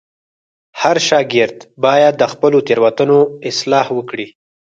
هر شاګرد باید د خپلو تېروتنو اصلاح وکړي.